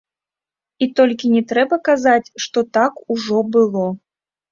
І толькі не трэба казаць, што так ужо было.